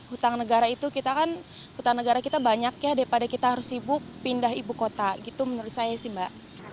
hutang negara itu kita kan hutang negara kita banyak ya daripada kita harus sibuk pindah ibu kota gitu menurut saya sih mbak